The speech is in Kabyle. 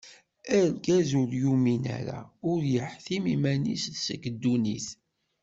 Argaz ur yumin ara, ur yeḥtim iman-is seg dunnit.